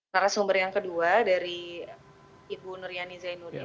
para sumber yang kedua dari ibu nuriani zainudin